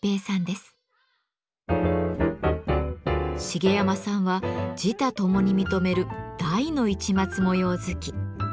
茂山さんは自他共に認める大の市松模様好き。